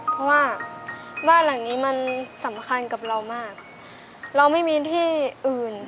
เพราะว่าบ้านหลังนี้มันสำคัญกับเรามากเราไม่มีที่อื่น